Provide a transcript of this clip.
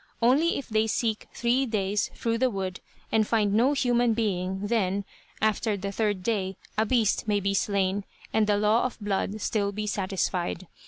Only if they seek three days through the wood, and find no human being, then, after the third day, a beast may be slain, and the law of blood still be satisfied.